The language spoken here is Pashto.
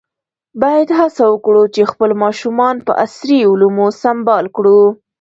باید هڅه وکړو چې خپل ماشومان په عصري علومو سمبال کړو.